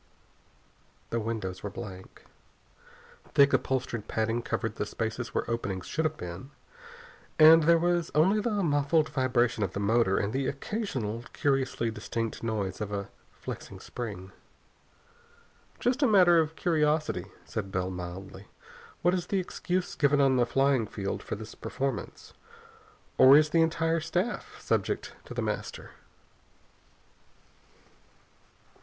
The windows were blank. Thick, upholstered padding covered the spaces where openings should have been, and there was only the muffled vibration of the motor and the occasional curiously distinct noise of a flexing spring. "Just as a matter of curiosity," said Bell mildly, "what is the excuse given on the flying field for this performance? Or is the entire staff subject to The Master?"